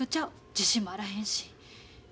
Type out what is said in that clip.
自信もあらへんし。